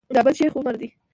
دا بل شیخ عمر دی.